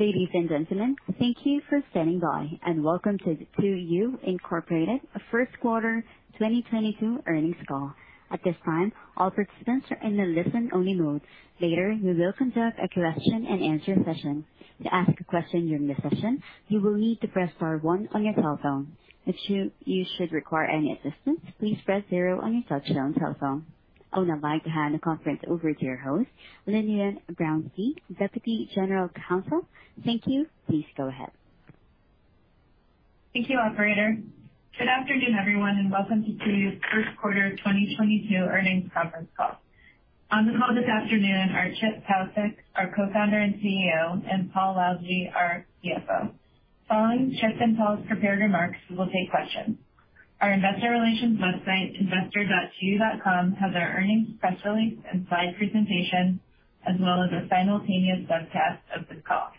Ladies and gentlemen, thank you for standing by, and welcome to the 2U, Inc. First Quarter 2022 Earnings Call. At this time, all participants are in a listen-only mode. Later, we will conduct a question-and-answer session. To ask a question during the session, you will need to press star one on your telephone. If you should require any assistance, please press zero on your touchtone telephone. I would now like to hand the conference over to your host, Lillian Brownstein, Deputy General Counsel. Thank you. Please go ahead. Thank you, operator. Good afternoon, everyone, and welcome to 2U's First Quarter 2022 Earnings Conference Call. On the call this afternoon are Chip Paucek, our Co-founder and CEO, and Paul Lalljie, our CFO. Following Chip and Paul's prepared remarks, we will take questions. Our investor relations website, investor.2u.com, has our earnings press release and slide presentation as well as a simultaneous webcast of this call.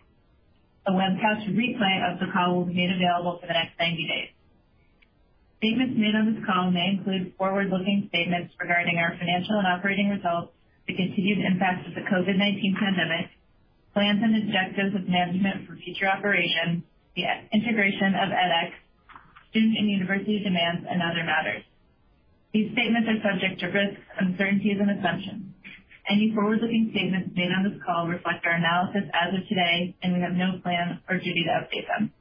A webcast replay of the call will be made available for the next 90 days. Statements made on this call may include forward-looking statements regarding our financial and operating results, the continued impact of the COVID-19 pandemic, plans and objectives of management for future operations, the integration of edX, student and university demands and other matters. These statements are subject to risks, uncertainties, and assumptions. Any forward-looking statements made on this call reflect our analysis as of today, and we have no plan or duty to update them.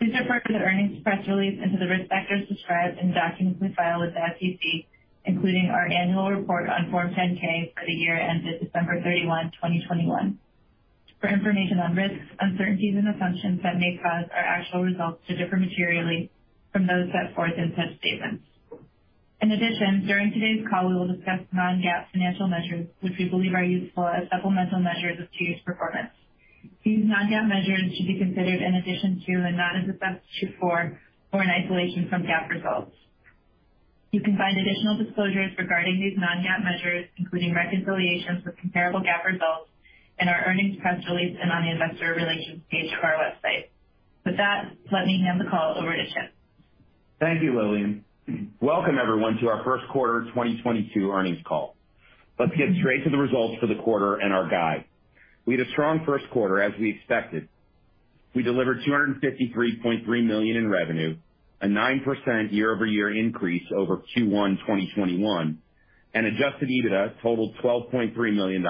Please refer to the earnings press release and to the risk factors described in documents we file with the SEC, including our annual report on Form 10-K for the year ended December 31, 2021 for information on risks, uncertainties, and assumptions that may cause our actual results to differ materially from those set forth in such statements. In addition, during today's call, we will discuss non-GAAP financial measures, which we believe are useful as supplemental measures of 2U's performance. These non-GAAP measures should be considered in addition to and not as a substitute for or in isolation from GAAP results. You can find additional disclosures regarding these non-GAAP measures, including reconciliations for comparable GAAP results in our earnings press release and on the investor relations page of our website. With that, let me hand the call over to Chip. Thank you, Lillian. Welcome, everyone, to our first quarter 2022 earnings call. Let's get straight to the results for the quarter and our guide. We had a strong first quarter as we expected. We delivered $253.3 million in revenue, a 9% year-over-year increase over Q1 2021, and adjusted EBITDA totaled $12.3 million.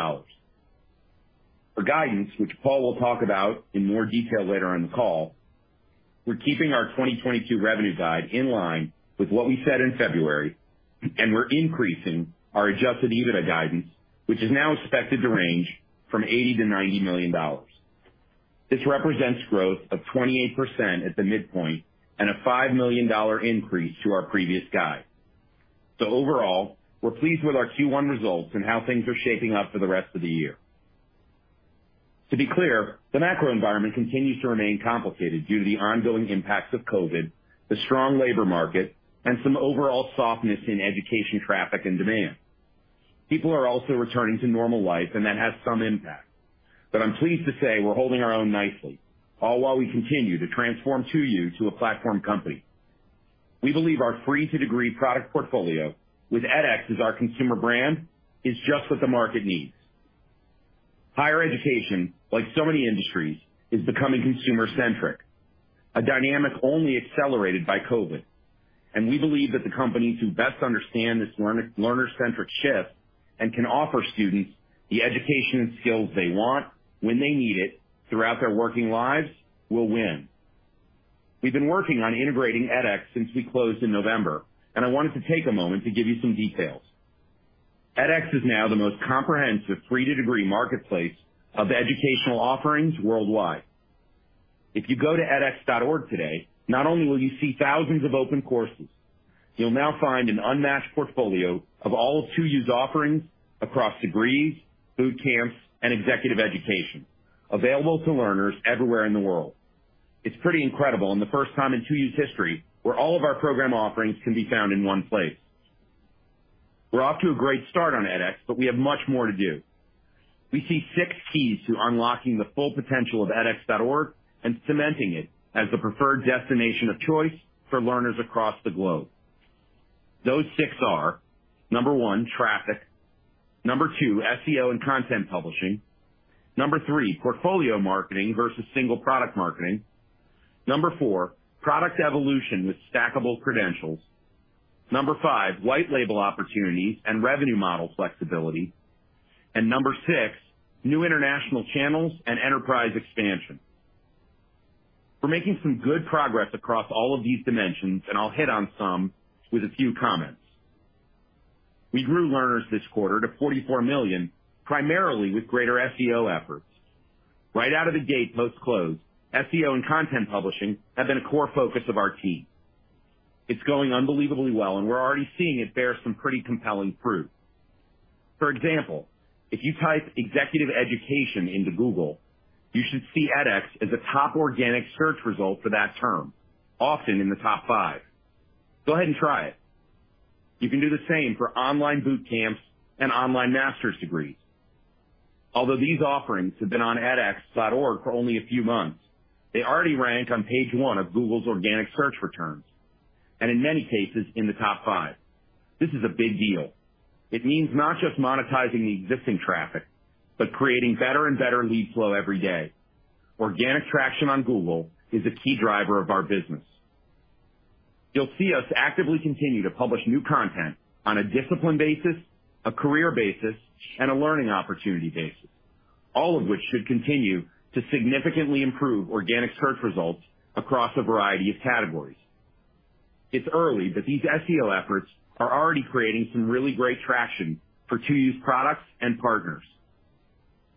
For guidance, which Paul will talk about in more detail later on in the call, we're keeping our 2022 revenue guide in line with what we said in February, and we're increasing our adjusted EBITDA guidance, which is now expected to range from $80 million-$90 million. This represents growth of 28% at the midpoint and a $5 million increase to our previous guide. Overall, we're pleased with our Q1 results and how things are shaping up for the rest of the year. To be clear, the macro environment continues to remain complicated due to the ongoing impacts of COVID, the strong labor market, and some overall softness in education traffic and demand. People are also returning to normal life, and that has some impact. I'm pleased to say we're holding our own nicely, all while we continue to transform 2U to a platform company. We believe our free-to-degree product portfolio with edX as our consumer brand is just what the market needs. Higher education, like so many industries, is becoming consumer-centric, a dynamic only accelerated by COVID. We believe that the companies who best understand this learner-centric shift and can offer students the education and skills they want when they need it throughout their working lives will win. We've been working on integrating edX since we closed in November, and I wanted to take a moment to give you some details. edX is now the most comprehensive free to degree marketplace of educational offerings worldwide. If you go to edX.org today, not only will you see thousands of open courses, you'll now find an unmatched portfolio of all of 2U's offerings across degrees, boot camps, and executive education available to learners everywhere in the world. It's pretty incredible, and the first time in 2U's history where all of our program offerings can be found in one place. We're off to a great start on edX, but we have much more to do. We see six keys to unlocking the full potential of edX.org and cementing it as the preferred destination of choice for learners across the globe. Those six are, number 1, traffic, number 2, SEO and content publishing, number 3, portfolio marketing versus single product marketing, number 4, product evolution with stackable credentials, number 5, white label opportunities and revenue model flexibility, and number 6, new international channels and enterprise expansion. We're making some good progress across all of these dimensions, and I'll hit on some with a few comments. We grew learners this quarter to 44 million, primarily with greater SEO efforts. Right out of the gate, post-close, SEO and content publishing have been a core focus of our team. It's going unbelievably well, and we're already seeing it bear some pretty compelling fruit. For example, if you type executive education into Google, you should see edX as a top organic search result for that term, often in the top five. Go ahead and try it. You can do the same for online boot camps and online master's degrees. Although these offerings have been on edX.org for only a few months, they already rank on page one of Google's organic search returns. In many cases, in the top five. This is a big deal. It means not just monetizing the existing traffic, but creating better and better lead flow every day. Organic traction on Google is a key driver of our business. You'll see us actively continue to publish new content on a discipline basis, a career basis, and a learning opportunity basis, all of which should continue to significantly improve organic search results across a variety of categories. It's early, but these SEO efforts are already creating some really great traction for 2U's products and partners.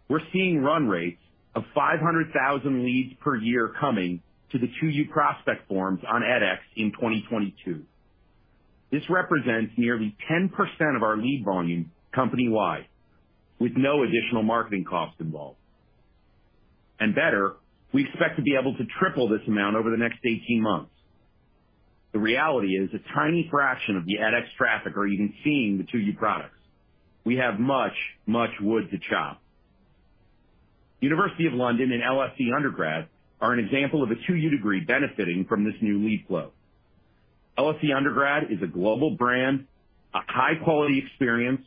We're seeing run rates of 500,000 leads per year coming to the 2U prospect forms on edX in 2022. This represents nearly 10% of our lead volume company-wide, with no additional marketing cost involved. Better, we expect to be able to triple this amount over the next 18 months. The reality is, a tiny fraction of the edX traffic are even seeing the 2U products. We have much, much wood to chop. University of London and LSE undergrad are an example of a 2U degree benefiting from this new lead flow. LSE undergrad is a global brand, a high-quality experience,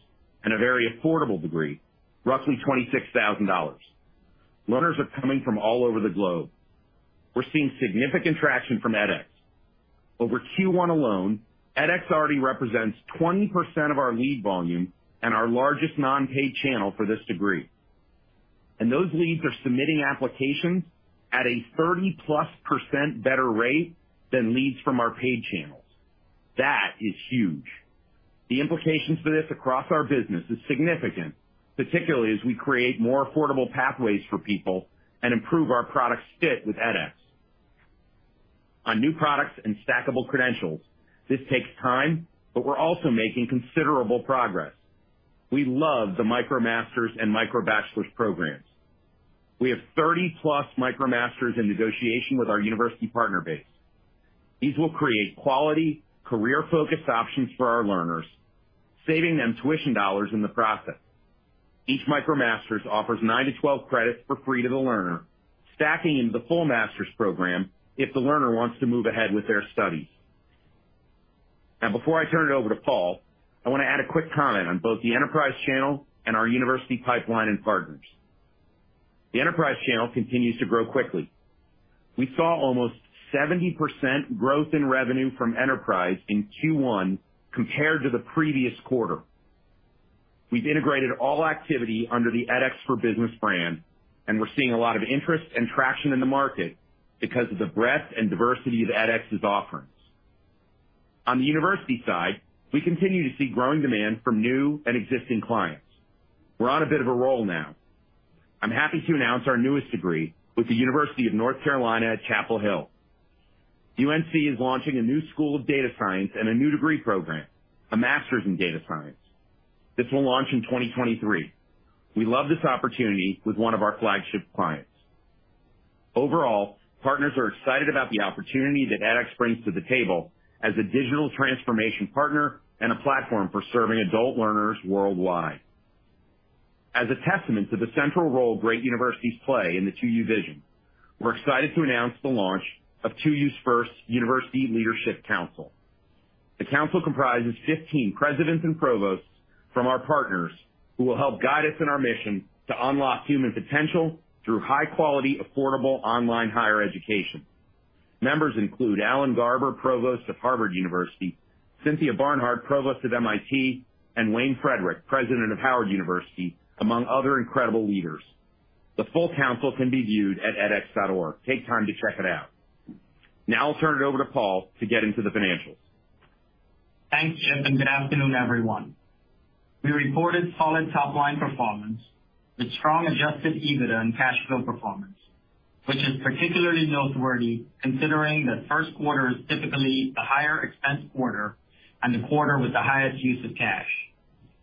and a very affordable degree, roughly $26,000. Learners are coming from all over the globe. We're seeing significant traction from edX. Over Q1 alone, edX already represents 20% of our lead volume and our largest non-paid channel for this degree. Those leads are submitting applications at a 30%+ better rate than leads from our paid channels. That is huge. The implications for this across our business is significant, particularly as we create more affordable pathways for people and improve our product's fit with edX. On new products and stackable credentials, this takes time, but we're also making considerable progress. We love the MicroMasters and MicroBachelors programs. We have 30+ MicroMasters in negotiation with our university partner base. These will create quality, career-focused options for our learners, saving them tuition dollars in the process. Each MicroMasters offers 9-12 credits for free to the learner, stacking into the full master's program if the learner wants to move ahead with their studies. Now, before I turn it over to Paul, I wanna add a quick comment on both the enterprise channel and our university pipeline and partners. The enterprise channel continues to grow quickly. We saw almost 70% growth in revenue from enterprise in Q1 compared to the previous quarter. We've integrated all activity under the edX For Business brand, and we're seeing a lot of interest and traction in the market because of the breadth and diversity of edX's offerings. On the university side, we continue to see growing demand from new and existing clients. We're on a bit of a roll now. I'm happy to announce our newest degree with the University of North Carolina at Chapel Hill. UNC is launching a new school of data science and a new degree program, a master's in data science. This will launch in 2023. We love this opportunity with one of our flagship clients. Overall, partners are excited about the opportunity that edX brings to the table as a digital transformation partner and a platform for serving adult learners worldwide. As a testament to the central role great universities play in the 2U vision, we're excited to announce the launch of 2U's first University Leadership Council. The council comprises 15 presidents and provosts from our partners who will help guide us in our mission to unlock human potential through high-quality, affordable online higher education. Members include Alan Garber, Provost of Harvard University, Cynthia Barnhart, Provost of MIT, and Wayne Frederick, President of Howard University, among other incredible leaders. The full council can be viewed at edX.org. Take time to check it out. Now, I'll turn it over to Paul to get into the financials. Thanks, Chip, and good afternoon, everyone. We reported solid top-line performance with strong adjusted EBITDA and cash flow performance, which is particularly noteworthy considering that first quarter is typically the higher expense quarter and the quarter with the highest use of cash.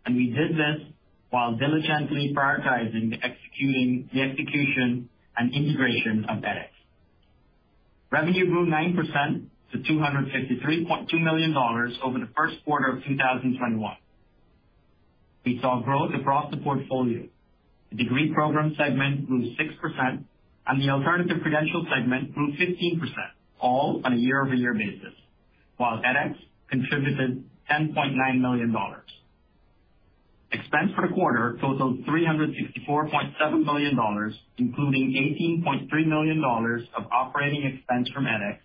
We did this while diligently prioritizing the execution and integration of edX. Revenue grew 9% to $253.2 million over the first quarter of 2021. We saw growth across the portfolio. The Degree Program Segment grew 6%, and the Alternative Credential Segment grew 15%, all on a year-over-year basis, while edX contributed $10.9 million. Expenses for the quarter totaled $364.7 million, including $18.3 million of operating expense from edX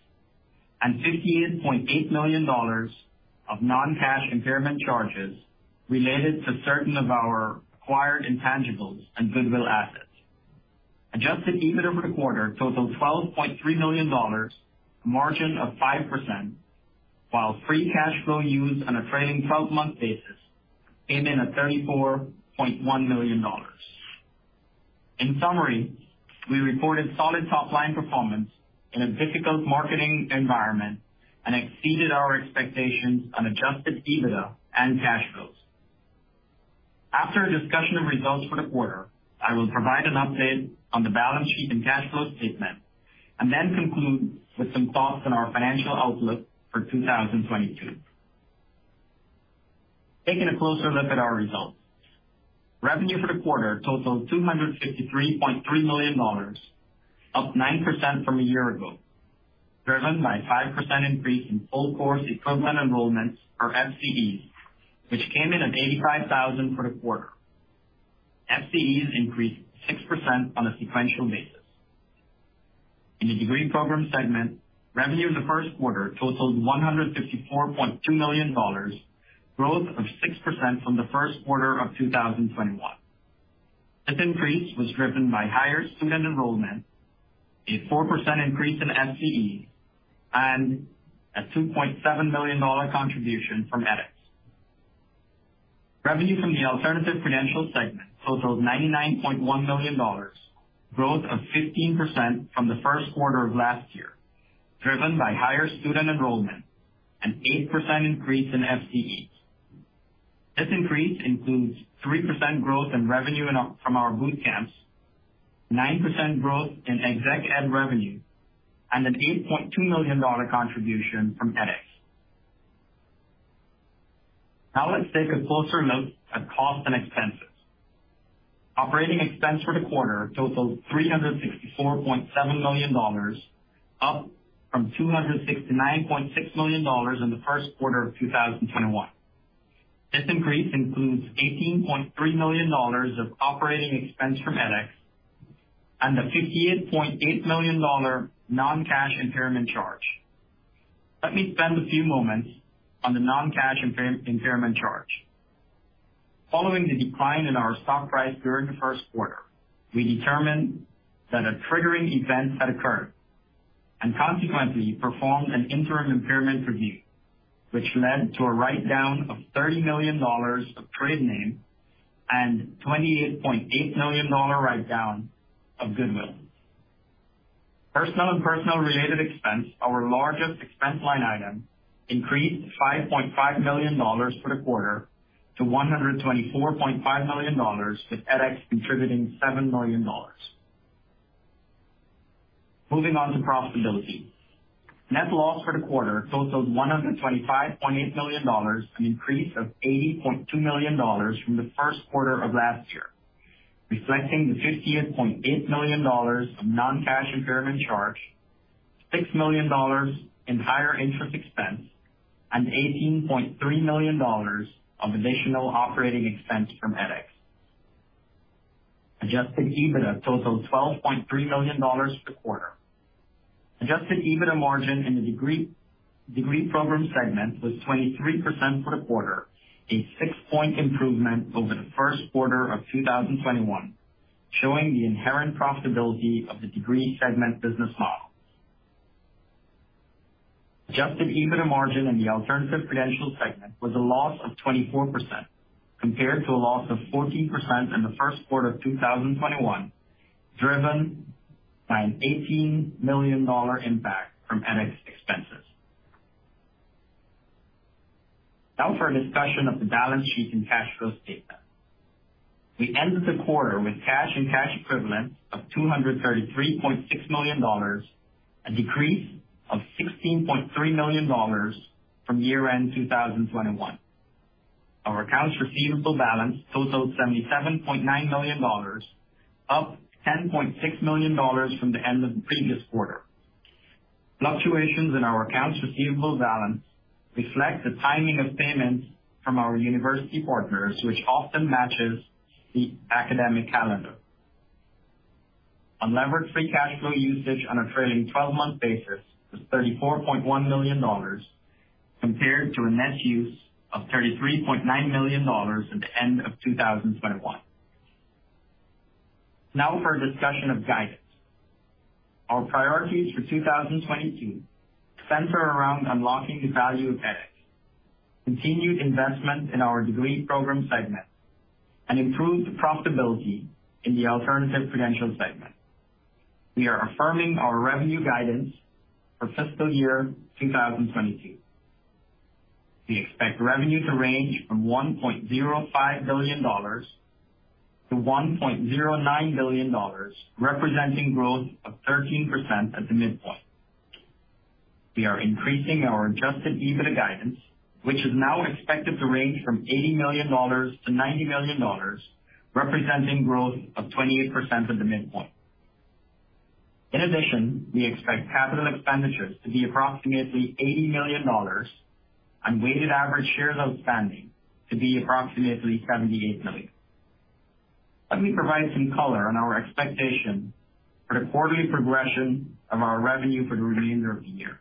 and $15.8 million of non-cash impairment charges related to certain of our acquired intangibles and goodwill assets. Adjusted EBITDA for the quarter totaled $12.3 million, a margin of 5%, while free cash flow used on a trailing twelve-month basis came in at $34.1 million. In summary, we reported solid top-line performance in a difficult marketing environment and exceeded our expectations on adjusted EBITDA and cash flows. After a discussion of results for the quarter, I will provide an update on the balance sheet and cash flow statement, and then conclude with some thoughts on our financial outlook for 2022. Taking a closer look at our results. Revenue for the quarter totaled $253.3 million, up 9% from a year ago, driven by 5% increase in full course equivalent enrollments or FCEs, which came in at 85,000 for the quarter. FCEs increased 6% on a sequential basis. In the Degree Program Segment, revenue in the first quarter totaled $154.2 million, growth of 6% from the first quarter of 2021. This increase was driven by higher student enrollment, a 4% increase in FCEs, and a $2.7 million contribution from edX. Revenue from the Alternative Credential Segment totaled $99.1 million, growth of 15% from the first quarter of last year, driven by higher student enrollment, an 8% increase in FCEs. This increase includes 3% growth in revenue from our boot camps, 9% growth in exec ed revenue, and an $8.2 million contribution from edX. Now let's take a closer look at cost and expenses. Operating expense for the quarter totaled $364.7 million, up from $269.6 million in the first quarter of 2021. This increase includes $18.3 million of operating expense from edX and a $58.8 million non-cash impairment charge. Let me spend a few moments on the non-cash impairment charge. Following the decline in our stock price during the first quarter, we determined that a triggering event had occurred and consequently performed an interim impairment review, which led to a write-down of $30 million of trade name and $28.8 million write-down of goodwill. Personnel and personnel-related expense, our largest expense line item, increased $5.5 million for the quarter to $124.5 million, with edX contributing $7 million. Moving on to profitability. Net loss for the quarter totaled $125.8 million, an increase of $80.2 million from the first quarter of last year, reflecting the $58.8 million of non-cash impairment charge, $6 million in higher interest expense, and $18.3 million of additional operating expense from edX. Adjusted EBITDA totaled $12.3 million for the quarter. Adjusted EBITDA margin in the degree program segment was 23% for the quarter, a 6-point improvement over the first quarter of 2021, showing the inherent profitability of the degree segment business model. Adjusted EBITDA margin in the Alternative Credential Segment was a loss of 24%, compared to a loss of 14% in the first quarter of 2021, driven by an $18 million impact from edX expenses. Now for a discussion of the balance sheet and cash flow statement. We ended the quarter with cash and cash equivalents of $233.6 million, a decrease of $16.3 million from year-end 2021. Our accounts receivable balance totaled $77.9 million, up $10.6 million from the end of the previous quarter. Fluctuations in our accounts receivable balance reflect the timing of payments from our university partners, which often matches the academic calendar. Unlevered Free Cash Flow usage on a trailing twelve-month basis was $34.1 million, compared to a net use of $33.9 million at the end of 2021. Now for a discussion of guidance. Our priorities for 2022 center around unlocking the value of edX, continued investment in our Degree Program Segment, and improved profitability in the Alternative Credential Segment. We are affirming our revenue guidance for fiscal year 2022. We expect revenue to range from $1.05 billion-$1.09 billion, representing growth of 13% at the midpoint. We are increasing our adjusted EBITDA guidance, which is now expected to range from $80 million-$90 million, representing growth of 28% at the midpoint. In addition, we expect capital expenditures to be approximately $80 million and weighted average shares outstanding to be approximately 78 million. Let me provide some color on our expectation for the quarterly progression of our revenue for the remainder of the year.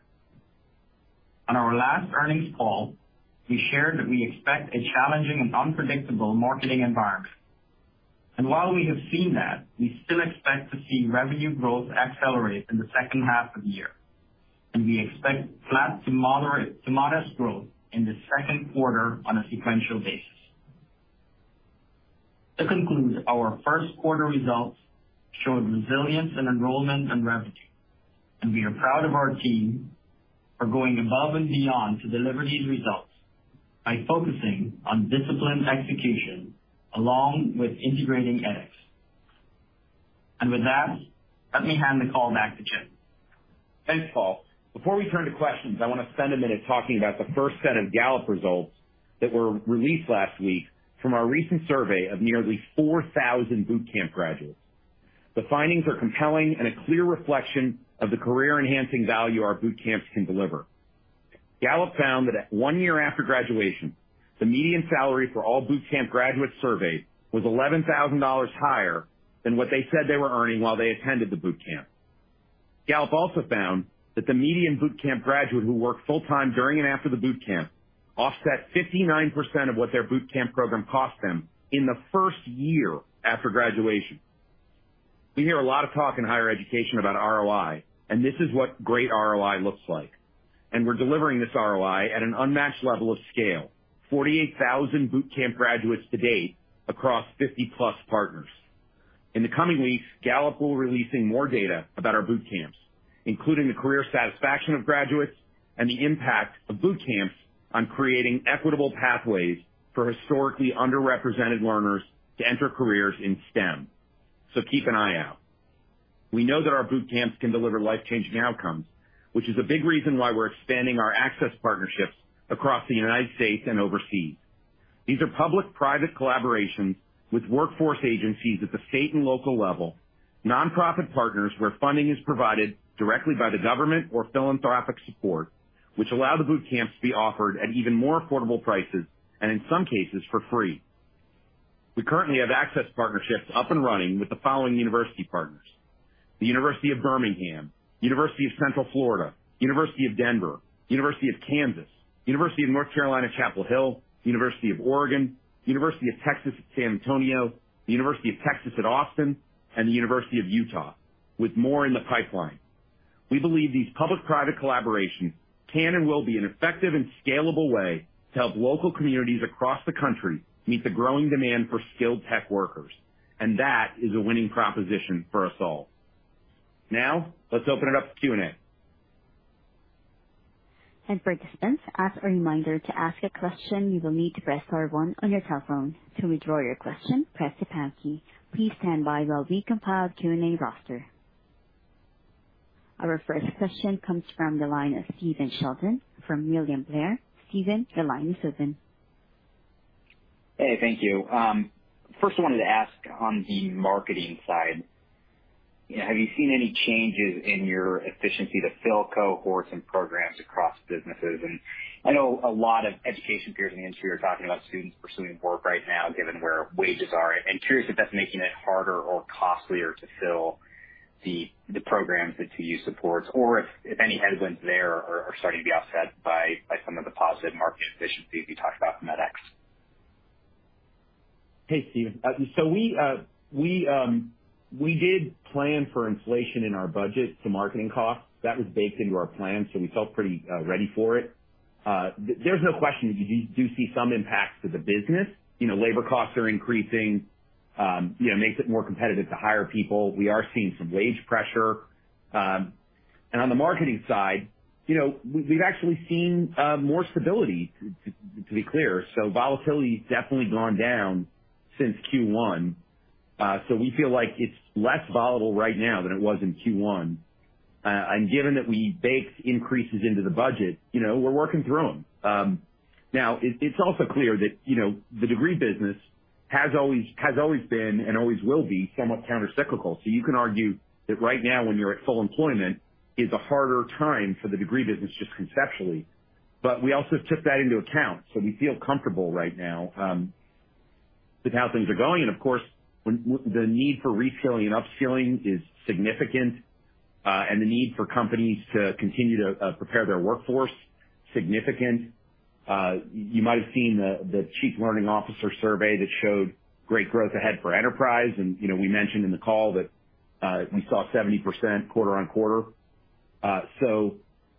On our last earnings call, we shared that we expect a challenging and unpredictable marketing environment. While we have seen that, we still expect to see revenue growth accelerate in the second half of the year, and we expect flat to modest growth in the second quarter on a sequential basis. To conclude, our first quarter results showed resilience in enrollment and revenue, and we are proud of our team for going above and beyond to deliver these results by focusing on disciplined execution along with integrating edX. With that, let me hand the call back to Chip. Thanks, Paul. Before we turn to questions, I want to spend a minute talking about the first set of Gallup results that were released last week from our recent survey of nearly 4,000 boot camp graduates. The findings are compelling and a clear reflection of the career-enhancing value our boot camps can deliver. Gallup found that one year after graduation, the median salary for all boot camp graduates surveyed was $11,000 higher than what they said they were earning while they attended the boot camp. Gallup also found that the median boot camp graduate who worked full-time during and after the boot camp offset 59% of what their boot camp program cost them in the first year after graduation. We hear a lot of talk in higher education about ROI, and this is what great ROI looks like. We're delivering this ROI at an unmatched level of scale. 48,000 boot camp graduates to date across 50+ partners. In the coming weeks, Gallup will be releasing more data about our boot camps, including the career satisfaction of graduates and the impact of boot camps on creating equitable pathways for historically underrepresented learners to enter careers in STEM. Keep an eye out. We know that our boot camps can deliver life-changing outcomes, which is a big reason why we're expanding our access partnerships across the United States and overseas. These are public-private collaborations with workforce agencies at the state and local level, nonprofit partners where funding is provided directly by the government or philanthropic support, which allow the boot camps to be offered at even more affordable prices, and in some cases for free. We currently have access partnerships up and running with the following university partners, the University of Birmingham, University of Central Florida, University of Denver, University of Kansas, University of North Carolina at Chapel Hill, University of Oregon, University of Texas at San Antonio, the University of Texas at Austin, and the University of Utah, with more in the pipeline. We believe these public-private collaborations can and will be an effective and scalable way to help local communities across the country meet the growing demand for skilled tech workers, and that is a winning proposition for us all. Now let's open it up to Q&A. Participants, as a reminder to ask a question, you will need to press star one on your telephone. To withdraw your question, press the pound key. Please stand by while we compile Q&A roster. Our first question comes from the line of Stephen Sheldon from William Blair. Stephen, the line is open. Hey, thank you. First I wanted to ask on the marketing side, have you seen any changes in your efficiency to fill cohorts and programs across businesses? I know a lot of education peers in the industry are talking about students pursuing work right now, given where wages are, and curious if that's making it harder or costlier to fill the programs that 2U supports or if any headwinds there are starting to be offset by some of the positive market efficiencies you talked about from edX. Hey, Stephen. We did plan for inflation in our budget for marketing costs. That was baked into our plan, so we felt pretty ready for it. There's no question that you do see some impacts to the business. You know, labor costs are increasing, you know, makes it more competitive to hire people. We are seeing some wage pressure. On the marketing side, you know, we've actually seen more stability, to be clear. Volatility has definitely gone down since Q1. We feel like it's less volatile right now than it was in Q1. Given that we baked increases into the budget, you know, we're working through them. Now it's also clear that, you know, the degree business has always been and always will be somewhat countercyclical. You can argue that right now when you're at full employment is a harder time for the degree business just conceptually. We also took that into account. We feel comfortable right now with how things are going. Of course, when the need for reskilling and upskilling is significant, and the need for companies to continue to prepare their workforce, significant. You might have seen the Chief Learning Officer survey that showed great growth ahead for enterprise. You know, we mentioned in the call that we saw 70% quarter-over-quarter.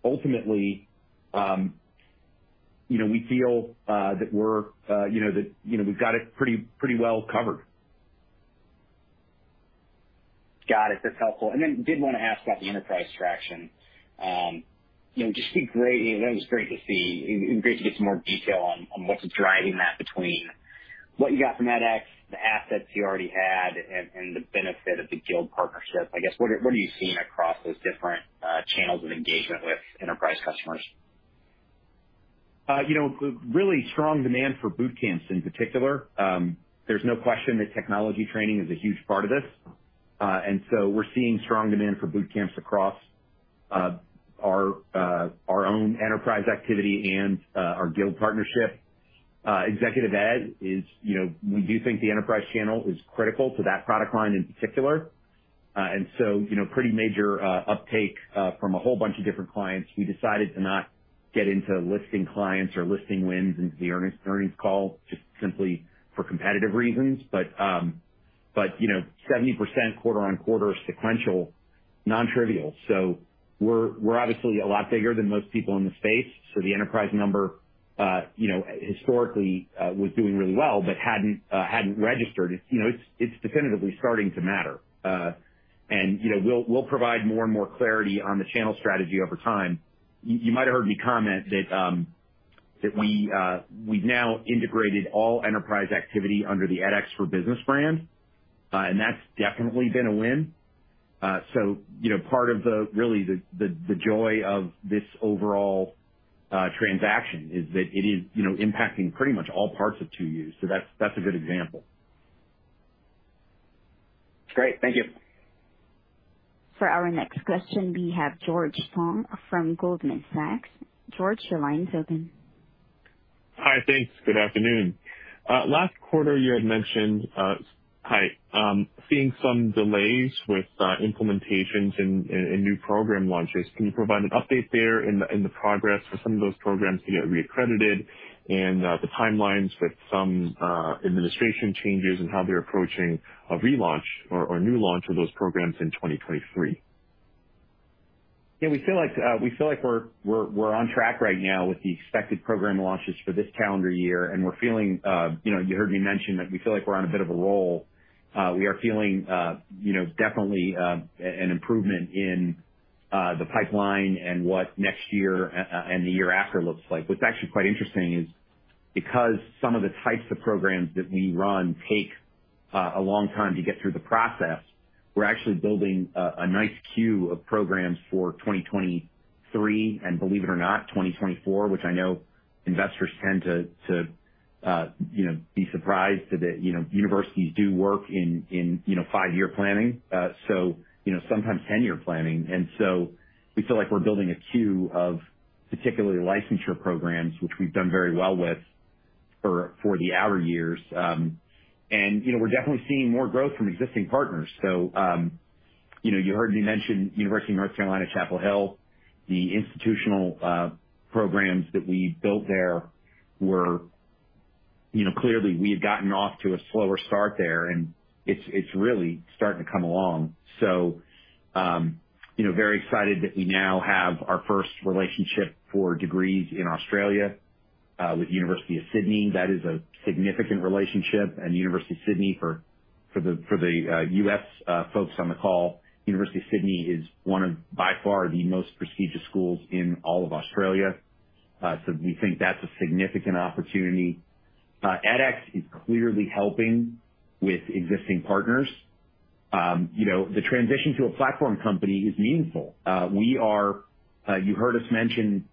Ultimately, you know, we feel that we're, you know, we've got it pretty well covered. Got it. That's helpful. Did want to ask about the enterprise traction. You know, just be great. That was great to see. Great to get some more detail on what's driving that between what you got from edX, the assets you already had, and the benefit of the Guild partnership. I guess, what are you seeing across those different channels of engagement with enterprise customers? You know, really strong demand for boot camps in particular. There's no question that technology training is a huge part of this. We're seeing strong demand for boot camps across our own enterprise activity and our Guild partnership. Executive ed is, you know, we do think the enterprise channel is critical to that product line in particular. You know, pretty major uptake from a whole bunch of different clients. We decided to not get into listing clients or listing wins into the earnings call just simply for competitive reasons. You know, 70% quarter-on-quarter sequential non-trivial. We're obviously a lot bigger than most people in the space. The enterprise number, you know, historically, was doing really well but hadn't registered. You know, it's definitively starting to matter. You know, we'll provide more and more clarity on the channel strategy over time. You might have heard me comment that we've now integrated all enterprise activity under the edX For Business brand, and that's definitely been a win. You know, part of really the joy of this overall transaction is that it is, you know, impacting pretty much all parts of 2U. That's a good example. Great. Thank you. For our next question, we have George Tong from Goldman Sachs. George, your line's open. Hi. Thanks. Good afternoon. Last quarter, you had mentioned seeing some delays with implementations and new program launches. Can you provide an update there on the progress for some of those programs to get reaccredited and the timelines with some administration changes and how they're approaching a relaunch or new launch of those programs in 2023? Yeah, we feel like we're on track right now with the expected program launches for this calendar year, and we're feeling, you know, you heard me mention that we feel like we're on a bit of a roll. We are feeling, you know, definitely, an improvement in the pipeline and what next year, and the year after looks like. What's actually quite interesting is because some of the types of programs that we run take a long time to get through the process, we're actually building a nice queue of programs for 2023, and believe it or not, 2024, which I know investors tend to, you know, be surprised that, you know, universities do work in, you know, five-year planning. You know, sometimes ten-year planning. We feel like we're building a queue of particularly licensure programs, which we've done very well with for the past four years. You know, we're definitely seeing more growth from existing partners. You know, you heard me mention University of North Carolina at Chapel Hill. The institutional programs that we built there were. You know, clearly we had gotten off to a slower start there, and it's really starting to come along. You know, very excited that we now have our first relationship for degrees in Australia with University of Sydney. That is a significant relationship. University of Sydney for the U.S. folks on the call, University of Sydney is one of, by far, the most prestigious schools in all of Australia. So we think that's a significant opportunity. edX is clearly helping with existing partners. You know, the transition to a platform company is meaningful. You heard us mention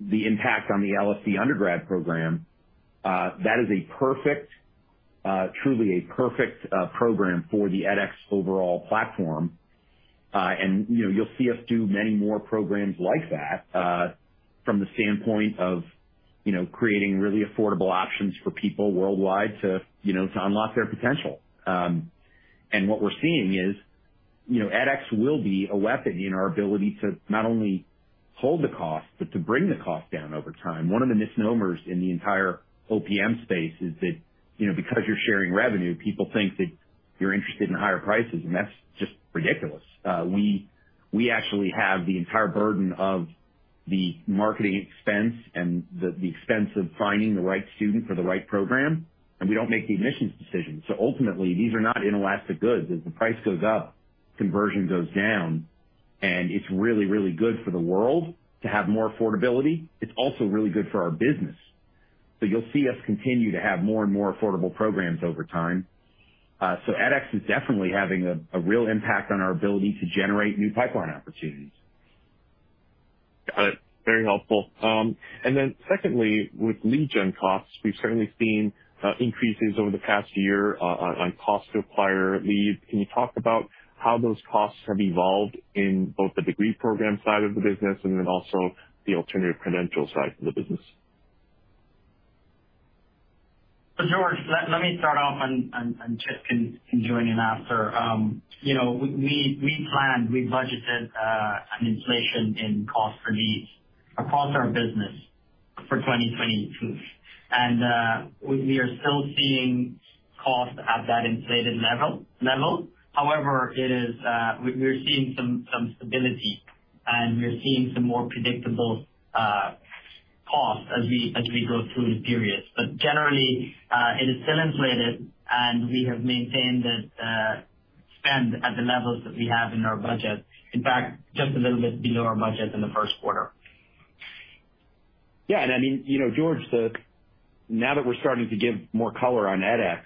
the impact on the LSE undergrad program. That is a perfect, truly a perfect, program for the edX overall platform. You know, you'll see us do many more programs like that, from the standpoint of, you know, creating really affordable options for people worldwide to, you know, to unlock their potential. What we're seeing is, you know, edX will be a weapon in our ability to not only hold the cost, but to bring the cost down over time. One of the misnomers in the entire OPM space is that, you know, because you're sharing revenue, people think that you're interested in higher prices, and that's just ridiculous. We actually have the entire burden of the marketing expense and the expense of finding the right student for the right program, and we don't make the admissions decisions. Ultimately, these are not inelastic goods. As the price goes up, conversion goes down. It's really, really good for the world to have more affordability. It's also really good for our business. You'll see us continue to have more and more affordable programs over time. edX is definitely having a real impact on our ability to generate new pipeline opportunities. Got it. Very helpful. Secondly, with lead gen costs, we've certainly seen increases over the past year on cost to acquire leads. Can you talk about how those costs have evolved in both the degree program side of the business and then also the alternative credential side of the business? George, let me start off, and Chip can join in after. You know, we planned, we budgeted an inflation in cost per lead across our business for 2022. We are still seeing costs at that inflated level. However, it is, we're seeing some stability, and we are seeing some more predictable costs as we go through the periods. Generally, it is still inflated, and we have maintained the spend at the levels that we have in our budget. In fact, just a little bit below our budget in the first quarter. Yeah. I mean, you know, George, now that we're starting to give more color on edX,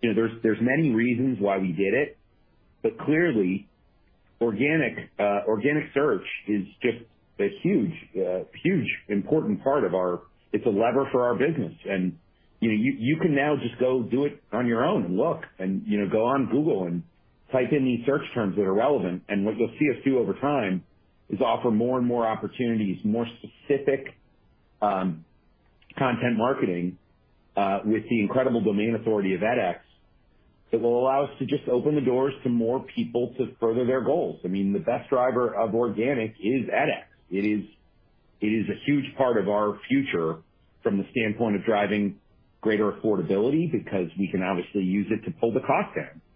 you know, there's many reasons why we did it, but clearly, organic search is just a huge important part of our business. It's a lever for our business. You know, you can now just go do it on your own and look, and you know, go on Google and type in these search terms that are relevant. What you'll see us do over time is offer more and more opportunities, more specific content marketing with the incredible domain authority of edX that will allow us to just open the doors to more people to further their goals. I mean, the best driver of organic is edX. It is a huge part of our future from the standpoint of driving greater affordability, because we can obviously use it to pull the cost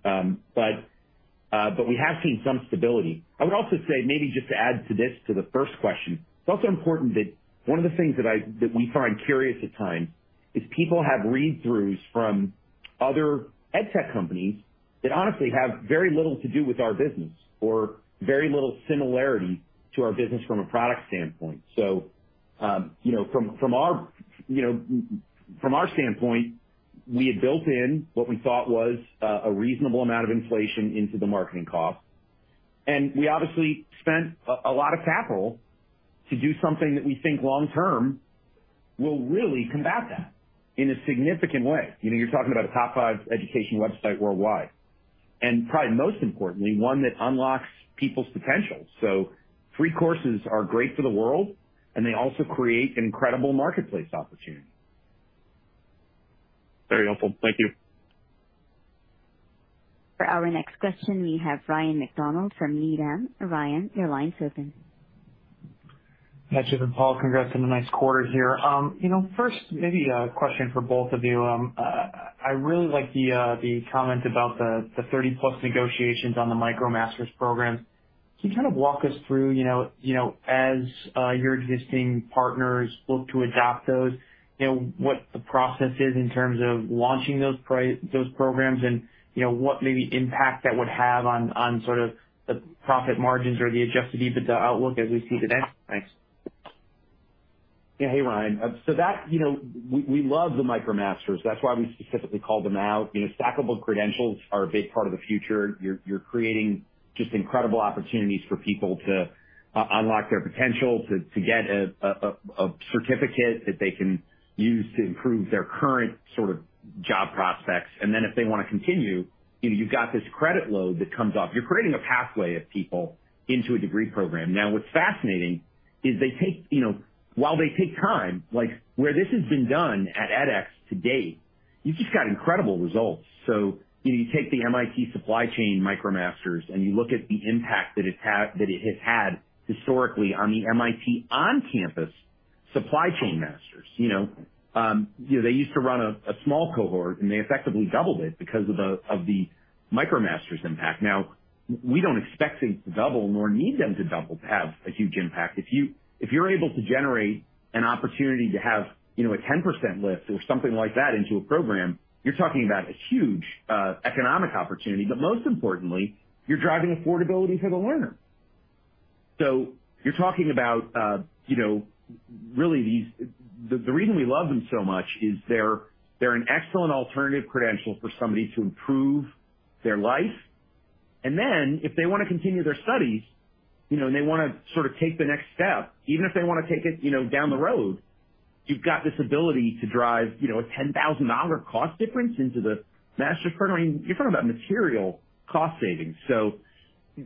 down. We have seen some stability. I would also say, maybe just to add to this, to the first question, it's also important that one of the things that we find curious at times is people have read-throughs from other ed tech companies that honestly have very little to do with our business or very little similarity to our business from a product standpoint. You know, from our standpoint, we had built in what we thought was a reasonable amount of inflation into the marketing cost. We obviously spent a lot of capital to do something that we think long term will really combat that in a significant way. You know, you're talking about a top five education website worldwide, and probably most importantly, one that unlocks people's potential. Free courses are great for the world, and they also create an incredible marketplace opportunity. Very helpful. Thank you. For our next question, we have Ryan MacDonald from Needham. Ryan, your line's open. Hi, Chip and Paul. Congrats on a nice quarter here. You know, first maybe a question for both of you. I really like the comment about the 30+ negotiations on the MicroMasters program. Can you kind of walk us through, you know, as your existing partners look to adopt those, you know, what the process is in terms of launching those programs and you know, what maybe impact that would have on sort of the profit margins or the adjusted EBITDA outlook as we see today? Thanks. Yeah. Hey, Ryan. So that, you know, we love the MicroMasters. That's why we specifically called them out. You know, stackable credentials are a big part of the future. You're creating just incredible opportunities for people to unlock their potential, to get a certificate that they can use to improve their current sort of job prospects. Then if they wanna continue, you know, you've got this credit load that comes off. You're creating a pathway of people into a degree program. Now, what's fascinating is they take time. You know, while they take time, like, where this has been done at edX to date, you've just got incredible results. You know, you take the MITx MicroMasters in Supply Chain Management, and you look at the impact that it has had historically on the MIT on-campus Supply Chain master's. You know, they used to run a small cohort, and they effectively doubled it because of the MicroMasters impact. Now, we don't expect things to double, nor need them to double to have a huge impact. If you're able to generate an opportunity to have, you know, a 10% lift or something like that into a program, you're talking about a huge economic opportunity, but most importantly, you're driving affordability for the learner. You're talking about really these. The reason we love them so much is they're an excellent alternative credential for somebody to improve their life. If they wanna continue their studies, you know, and they wanna sort of take the next step, even if they wanna take it, you know, down the road, you've got this ability to drive, you know, a $10,000 cost difference into the master's program. I mean, you're talking about material cost savings.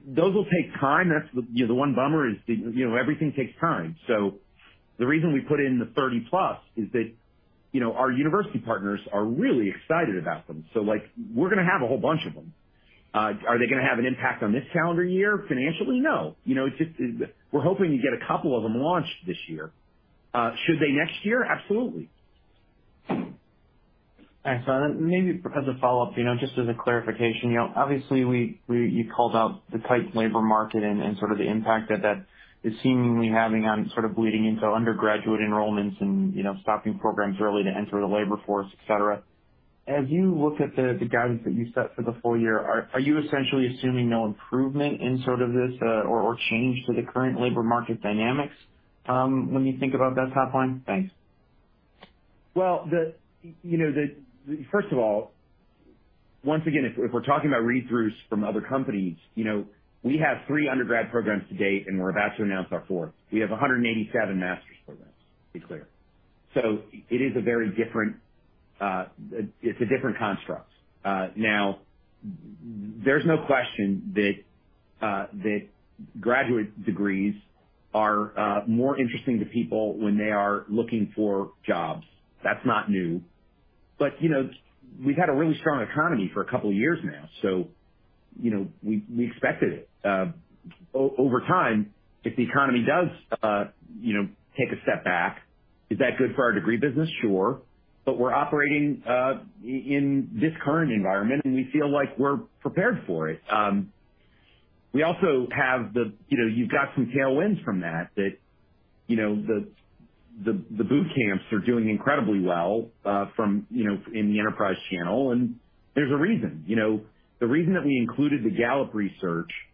Those will take time. You know, the one bummer is, you know, everything takes time. The reason we put in the 30+ is that, you know, our university partners are really excited about them. Like, we're gonna have a whole bunch of them. Are they gonna have an impact on this calendar year financially? No. You know, we're hoping to get a couple of them launched this year. Should they next year? Absolutely. Thanks. Maybe as a follow-up, you know, just as a clarification. You know, obviously, you called out the tight labor market and sort of the impact that that is seemingly having on sort of bleeding into undergraduate enrollments and, you know, stopping programs early to enter the labor force, et cetera. As you look at the guidance that you set for the full year, are you essentially assuming no improvement in sort of this or change to the current labor market dynamics, when you think about that top line? Thanks. First of all, once again, if we're talking about read-throughs from other companies, you know, we have three undergrad programs to date, and we're about to announce our fourth. We have 187 master's programs, to be clear. It is a very different, it's a different construct. Now there's no question that graduate degrees are more interesting to people when they are looking for jobs. That's not new. You know, we've had a really strong economy for a couple years now, you know, we expected it. Over time, if the economy does, you know, take a step back, is that good for our degree business? Sure. We're operating in this current environment, and we feel like we're prepared for it. We also have the You know, you've got some tailwinds from that, you know, the boot camps are doing incredibly well, from, you know, in the enterprise channel and there's a reason. You know, the reason that we included the Gallup research, I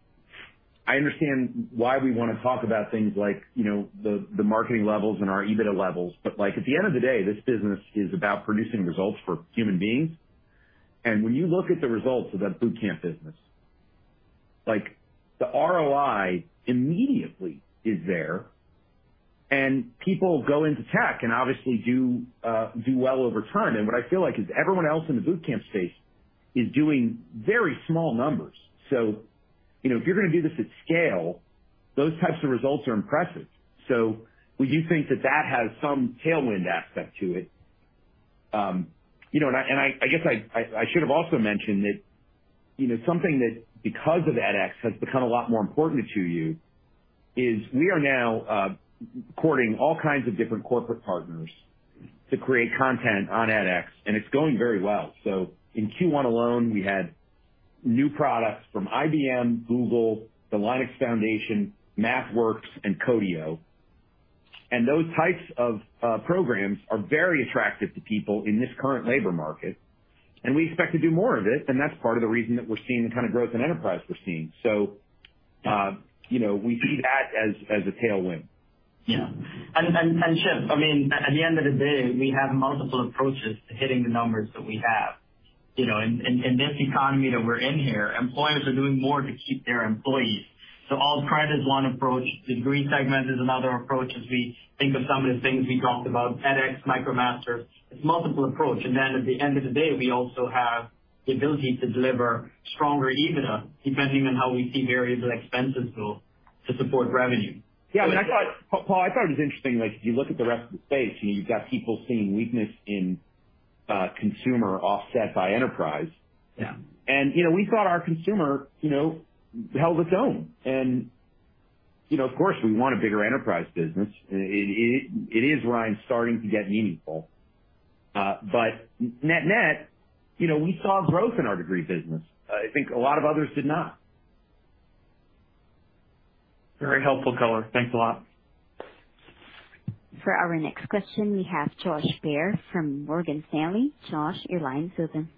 understand why we wanna talk about things like, you know, the marketing levels and our EBITDA levels, but, like, at the end of the day, this business is about producing results for human beings. When you look at the results of that boot camp business, like, the ROI immediately is there, and people go into tech and obviously do well over time. What I feel like is everyone else in the boot camp space is doing very small numbers. You know, if you're gonna do this at scale, those types of results are impressive. We do think that that has some tailwind aspect to it. You know, I guess I should have also mentioned that, you know, something that, because of edX, has become a lot more important to you is we are now courting all kinds of different corporate partners to create content on edX, and it's going very well. In Q1 alone, we had new products from IBM, Google, The Linux Foundation, MathWorks, and Codio. Those types of programs are very attractive to people in this current labor market, and we expect to do more of it, and that's part of the reason that we're seeing the kind of growth in enterprise we're seeing. You know, we see that as a tailwind. Yeah. Chip, I mean, at the end of the day, we have multiple approaches to hitting the numbers that we have. You know, in this economy that we're in here, employers are doing more to keep their employees. Alt-credit is one approach. Degree segment is another approach. As we think of some of the things we talked about, edX, MicroMasters. It's multiple approach. At the end of the day, we also have the ability to deliver stronger EBITDA depending on how we see various expenses grow to support revenue. Yeah. I thought, Paul, it was interesting, like, if you look at the rest of the space, you've got people seeing weakness in consumer offset by enterprise. Yeah. You know, we thought our consumer, you know, held its own. You know, of course, we want a bigger enterprise business. It is where I'm starting to get meaningful. But net net, you know, we saw growth in our degree business. I think a lot of others did not. Very helpful color. Thanks a lot. For our next question, we have Josh Baer from Morgan Stanley. Josh, your line's open.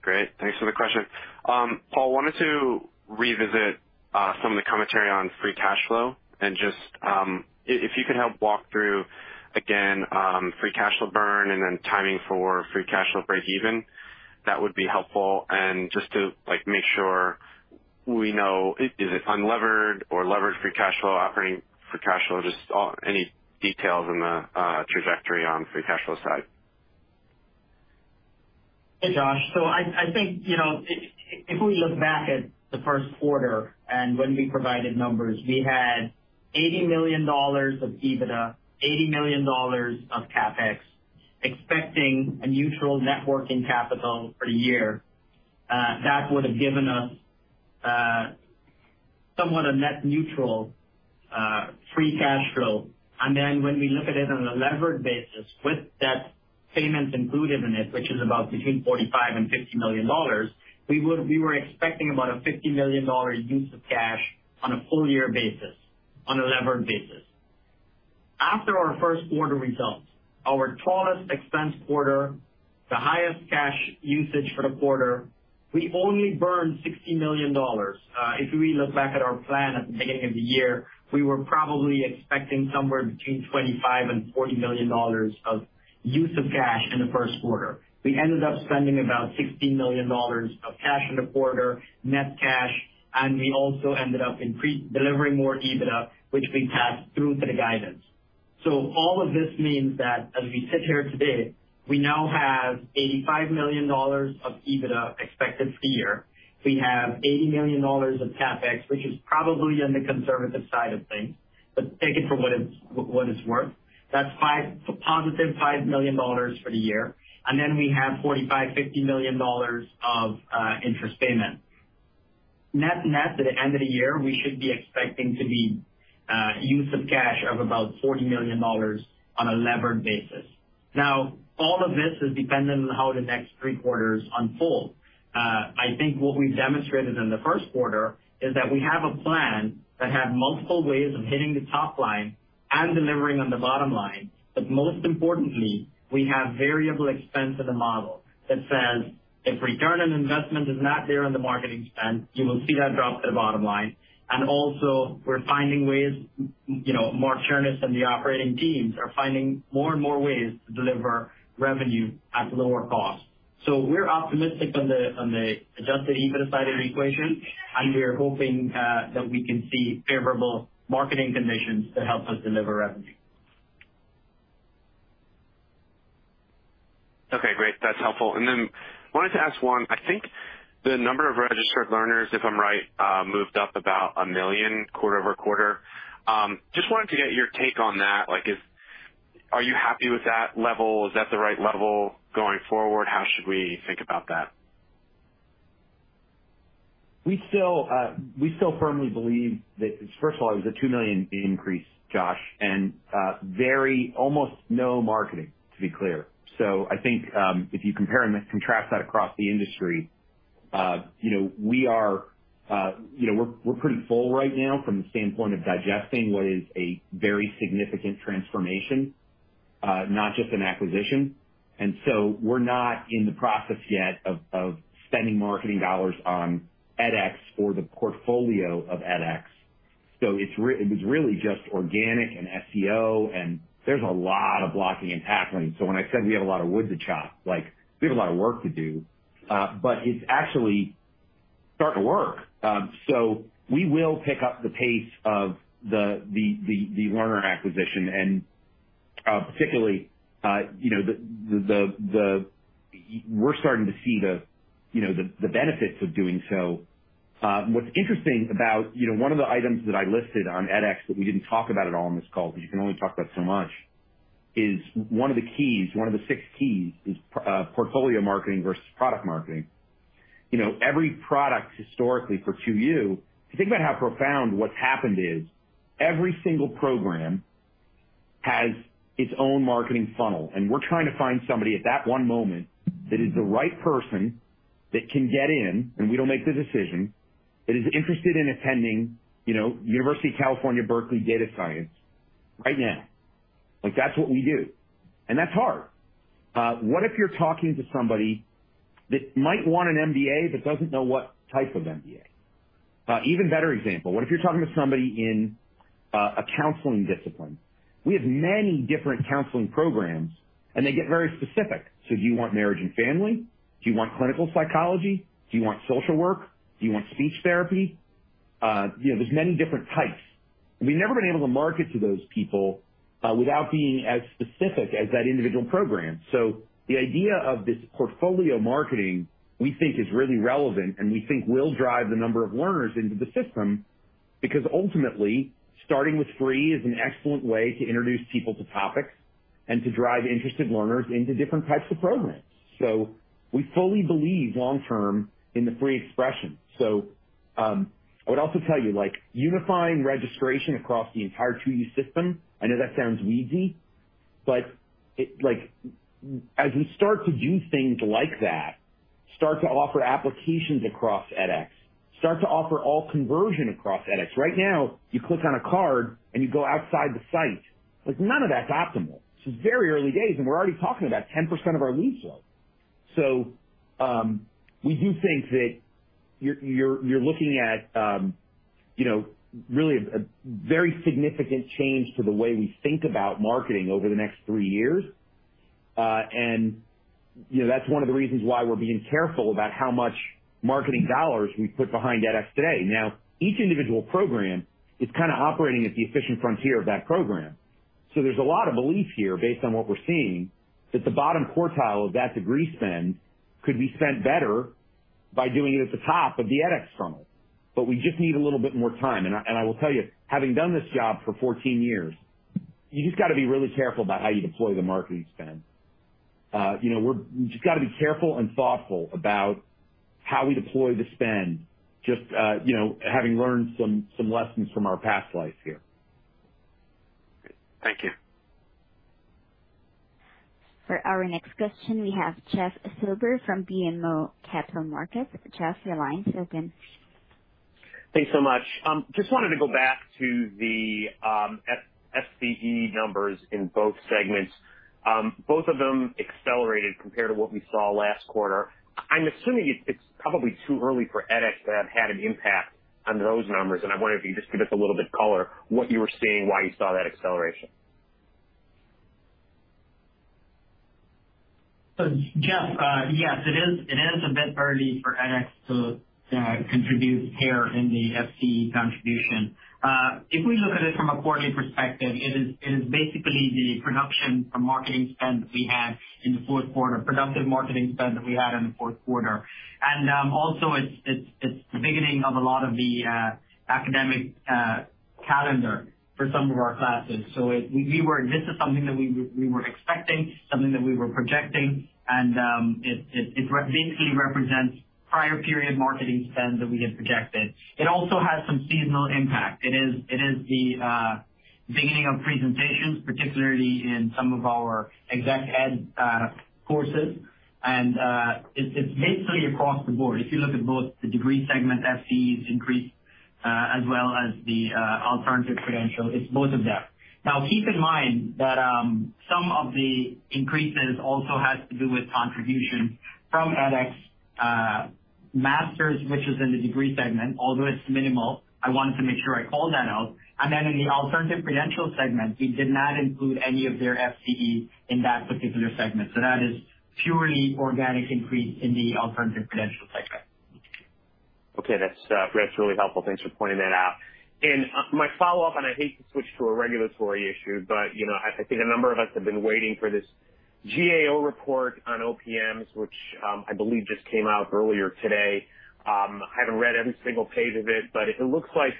Great. Thanks for the question. Paul wanted to revisit some of the commentary on free cash flow. Just if you could help walk through again free cash flow burn and then timing for free cash flow break even, that would be helpful. Just to like make sure we know, is it unlevered or levered free cash flow, operating free cash flow, just all any details on the trajectory on free cash flow side. Hey, Josh. I think, you know, if we look back at the first quarter and when we provided numbers, we had $80 million of EBITDA, $80 million of CapEx, expecting a neutral working capital for the year, that would have given us somewhat a net neutral free cash flow. When we look at it on a levered basis, with debt payments included in it, which is about between $45 million-$50 million, we were expecting about a $50 million use of cash on a full year basis, on a levered basis. After our first quarter results, our largest expense quarter, the highest cash usage for the quarter, we only burned $60 million. If we look back at our plan at the beginning of the year, we were probably expecting somewhere between $25 million and $40 million of use of cash in the first quarter. We ended up spending about $60 million of cash in the quarter, net cash, and we also ended up delivering more EBITDA, which we passed through to the guidance. All of this means that as we sit here today, we now have $85 million of EBITDA expected for the year. We have $80 million of CapEx, which is probably on the conservative side of things, but take it for what it's worth. That's positive $5 million for the year. Then we have $45 million-$50 million of interest payments. Net net, at the end of the year, we should be expecting to be use of cash of about $40 million on a levered basis. Now, all of this is dependent on how the next three quarters unfold. I think what we've demonstrated in the first quarter is that we have a plan that had multiple ways of hitting the top line and delivering on the bottom line. Most importantly, we have variable expense as a model that says if return on investment is not there on the marketing spend, you will see that drop to the bottom line. Also we're finding ways, you know, Mark Chernis and the operating teams are finding more and more ways to deliver revenue at lower cost. We're optimistic on the adjusted EBITDA side of the equation, and we're hoping that we can see favorable marketing conditions to help us deliver revenue. Okay, great. That's helpful. Wanted to ask one. I think the number of registered learners, if I'm right, moved up about 1 million quarter-over-quarter. Just wanted to get your take on that. Like, are you happy with that level? Is that the right level going forward? How should we think about that? We still firmly believe that. First of all, it was a 2 million increase, Josh, and almost no marketing, to be clear. I think if you compare and contrast that across the industry, you know, we are, you know, we're pretty full right now from the standpoint of digesting what is a very significant transformation, not just an acquisition. We're not in the process yet of spending marketing dollars on edX or the portfolio of edX. It was really just organic and SEO, and there's a lot of blocking and tackling. When I said we have a lot of wood to chop, like, we have a lot of work to do, but it's actually starting to work. We will pick up the pace of the learner acquisition, and particularly, you know. We're starting to see, you know, the benefits of doing so. What's interesting about, you know, one of the items that I listed on edX that we didn't talk about at all on this call, because you can only talk about so much, is one of the six keys, portfolio marketing versus product marketing. You know, every product historically for 2U, if you think about how profound what's happened is every single program has its own marketing funnel, and we're trying to find somebody at that one moment that is the right person that can get in, and we don't make the decision, that is interested in attending, you know, University of California, Berkeley data science right now. Like, that's what we do. That's hard. What if you're talking to somebody that might want an MBA but doesn't know what type of MBA? Even better example, what if you're talking to somebody in a counseling discipline? We have many different counseling programs, and they get very specific. Do you want marriage and family? Do you want clinical psychology? Do you want social work? Do you want speech therapy? You know, there's many different types. We've never been able to market to those people without being as specific as that individual program. The idea of this portfolio marketing, we think is really relevant, and we think will drive the number of learners into the system because ultimately, starting with free is an excellent way to introduce people to topics and to drive interested learners into different types of programs. We fully believe long term in the free expression. I would also tell you, like unifying registration across the entire 2U system, I know that sounds weedy, like, as we start to do things like that, start to offer applications across edX, start to offer all conversion across edX. Right now, you click on a card, and you go outside the site. Like, none of that's optimal. This is very early days, and we're already talking about 10% of our lead flow. We do think that you're looking at, you know, really a very significant change to the way we think about marketing over the next three years. You know, that's one of the reasons why we're being careful about how much marketing dollars we put behind edX today. Now, each individual program is kinda operating at the efficient frontier of that program. There's a lot of belief here, based on what we're seeing, that the bottom quartile of that degree spend could be spent better by doing it at the top of the edX funnel. We just need a little bit more time. I will tell you, having done this job for 14 years, you just gotta be really careful about how you deploy the marketing spend. You know, we're just gotta be careful and thoughtful about how we deploy the spend, just, you know, having learned some lessons from our past life here. Thank you. For our next question, we have Jeff Silber from BMO Capital Markets. Jeff, your line is open. Thanks so much. Just wanted to go back to the FCE numbers in both segments. Both of them accelerated compared to what we saw last quarter. I'm assuming it's probably too early for edX to have had an impact on those numbers, and I wonder if you could just give us a little bit of color on what you were seeing, why you saw that acceleration. Jeff, yes, it is a bit early for edX to contribute here in the FCE contribution. If we look at it from a quarterly perspective, it is basically the production from marketing spend that we had in the fourth quarter, productive marketing spend that we had in the fourth quarter. Also it's the beginning of a lot of the academic calendar for some of our classes. This is something that we were expecting, something that we were projecting, and it basically represents prior period marketing spend that we had projected. It also has some seasonal impact. It is the beginning of presentations, particularly in some of our exec ed courses. It's basically across the board. If you look at both the degree segment FCEs increase, as well as the alternative credential, it's both of them. Now keep in mind that some of the increases also has to do with contributions from edX master's, which is in the degree segment, although it's minimal. I wanted to make sure I called that out. In the alternative credential segment, we did not include any of their FCE in that particular segment. That is purely organic increase in the alternative credential segment. Okay. That's really helpful. Thanks for pointing that out. My follow-up, and I hate to switch to a regulatory issue, but you know, I think a number of us have been waiting for this GAO report on OPMs, which I believe just came out earlier today. I haven't read every single page of it, but it looks like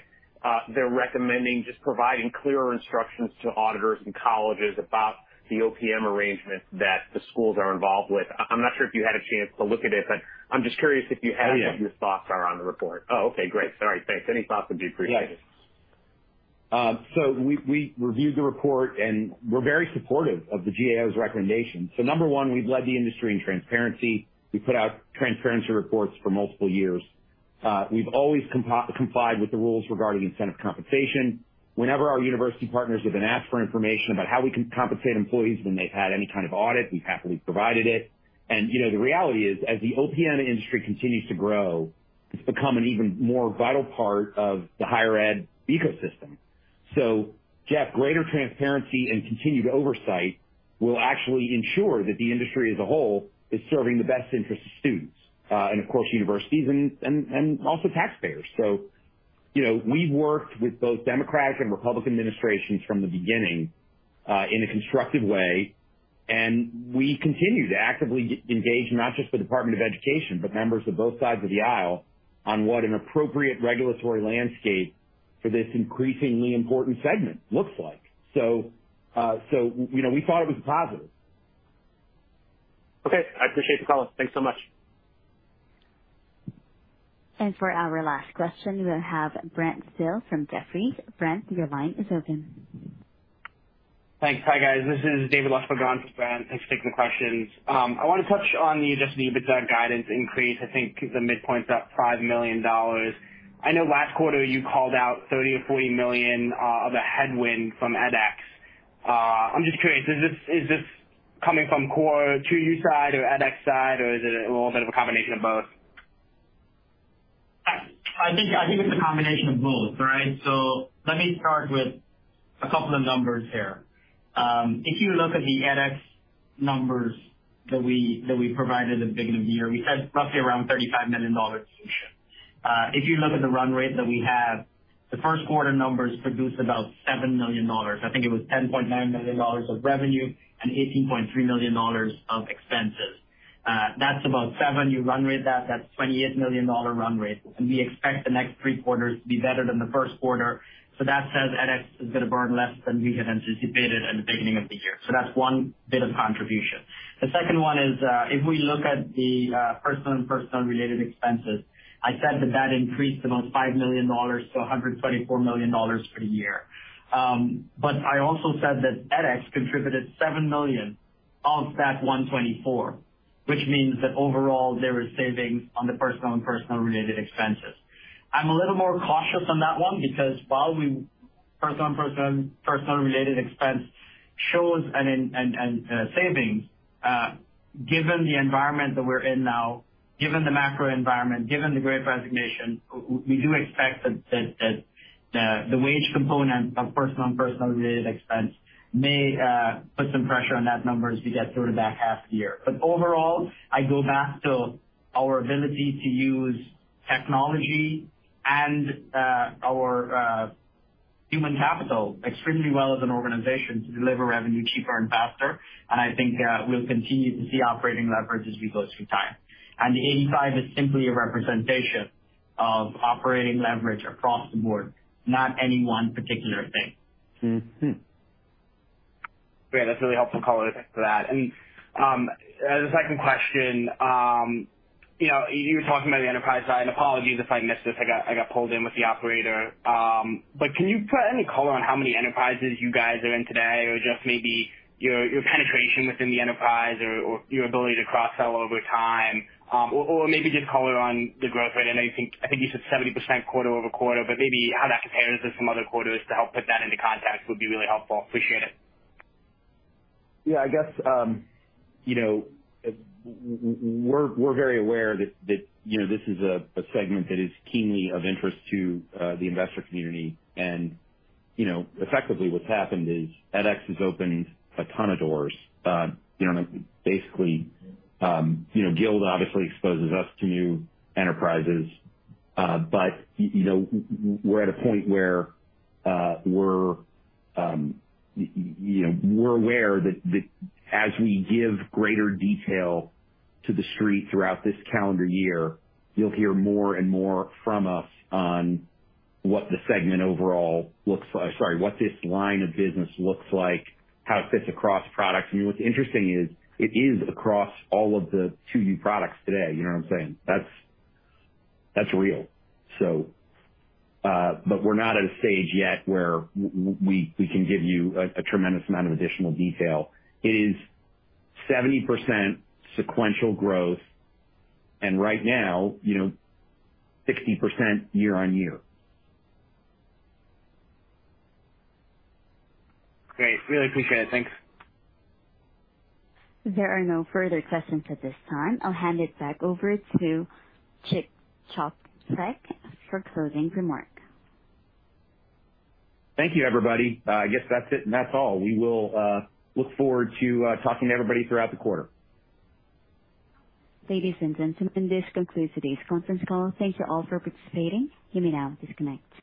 they're recommending just providing clearer instructions to auditors and colleges about the OPM arrangement that the schools are involved with. I'm not sure if you had a chance to look at it, but I'm just curious if you have. I have. What your thoughts are on the report. Oh, okay. Great. All right. Thanks. Any thoughts would be appreciated. Yes. We reviewed the report, and we're very supportive of the GAO's recommendation. Number one, we've led the industry in transparency. We put out transparency reports for multiple years. We've always complied with the rules regarding incentive compensation. Whenever our university partners have been asked for information about how we can compensate employees when they've had any kind of audit, we've happily provided it. You know, the reality is, as the OPM industry continues to grow, it's become an even more vital part of the higher ed ecosystem. Jeff, greater transparency and continued oversight will actually ensure that the industry as a whole is serving the best interest of students, and of course, universities and also taxpayers. You know, we've worked with both Democratic and Republican administrations from the beginning in a constructive way, and we continue to actively engage not just the Department of Education, but members of both sides of the aisle on what an appropriate regulatory landscape for this increasingly important segment looks like. You know, we thought it was positive. Okay. I appreciate the call. Thanks so much. For our last question, we'll have Brent Thill from Jefferies. Brent, your line is open. Thanks. Hi, guys. This is David Lustberg. Thanks for taking the questions. I wanna touch on just the EBITDA guidance increase. I think the midpoint's up $5 million. I know last quarter you called out $30 million or $40 million of a headwind from edX. I'm just curious, is this coming from core 2U side or edX side, or is it a little bit of a combination of both? I think it's a combination of both, right? Let me start with a couple of numbers here. If you look at the edX numbers that we provided at the beginning of the year, we said roughly around $35 million. If you look at the run rate that we have, the first quarter numbers produced about $7 million. I think it was $10.9 million of revenue and $18.3 million of expenses. That's about $7. The run rate that's $28 million run rate, and we expect the next three quarters to be better than the first quarter. That says edX is gonna burn less than we had anticipated at the beginning of the year. That's one bit of contribution. The second one is, if we look at the personnel and personnel-related expenses, I said that increased about $5 million-$124 million for the year. I also said that edX contributed $7 million of that $124 million, which means that overall there is savings on the personnel and personnel-related expenses. I'm a little more cautious on that one because personnel and personnel-related expense shows a savings, given the environment that we're in now, given the macro environment, given the Great Resignation, we do expect that the wage component of personnel and personnel-related expense may put some pressure on that number as we get through the back half of the year. Overall, I go back to our ability to use technology and our human capital extremely well as an organization to deliver revenue cheaper and faster. I think we'll continue to see operating leverage as we go through time. The 85 is simply a representation of operating leverage across the board, not any one particular thing. Mm-hmm. Great. That's really helpful color. Thanks for that. The second question, you know, you were talking about the enterprise side, and apologies if I missed this, I got pulled in with the operator. But can you put any color on how many enterprises you guys are in today or just maybe your penetration within the enterprise or your ability to cross-sell over time? Or maybe just color on the growth rate. I know I think you said 70% quarter-over-quarter, but maybe how that compares to some other quarters to help put that into context would be really helpful. Appreciate it. Yeah, I guess, you know, we're very aware that, you know, this is a segment that is keenly of interest to the investor community. You know, effectively what's happened is edX has opened a ton of doors. You know, basically, Guild obviously exposes us to new enterprises. You know, we're at a point where we're aware that as we give greater detail to the street throughout this calendar year, you'll hear more and more from us on what the segment overall looks like. Sorry, what this line of business looks like, how it fits across products. I mean, what's interesting is it is across all of the 2U products today. You know what I'm saying? That's real. We're not at a stage yet where we can give you a tremendous amount of additional detail. It is 70% sequential growth, and right now, you know, 60% year-over-year. Great. Really appreciate it. Thanks. There are no further questions at this time. I'll hand it back over to Chip Paucek for closing remarks. Thank you, everybody. I guess that's it, and that's all. We will look forward to talking to everybody throughout the quarter. Ladies and gentlemen, this concludes today's conference call. Thank you all for participating. You may now disconnect.